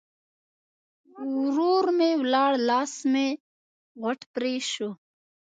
ورور م ولاړ؛ لاس مې غوټ پرې شو.